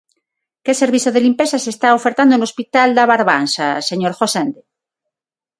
¿Que servizo de limpeza se está ofertando no Hospital da Barbanza, señor Gosende?